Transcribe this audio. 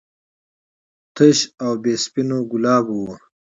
تش او بې سپینو ګلابو و.